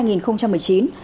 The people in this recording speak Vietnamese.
lợi dụng thời điểm